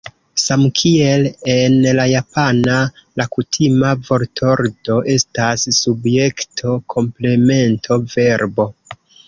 Samkiel en la japana, la kutima vortordo estas subjekto-komplemento-verbo.